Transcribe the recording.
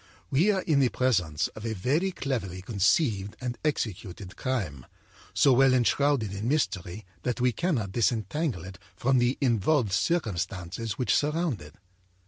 We are in the presence of a very cleverly conceived and executed crime, so well enshrouded in mystery that we cannot disentangle it from the involved circumstances which surround it.